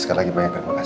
elack jadi mereka